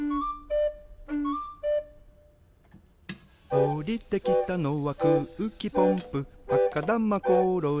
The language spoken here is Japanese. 「おりてきたのはくうきポンプ」「あかだまころり」